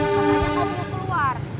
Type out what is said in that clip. katanya kamu mau keluar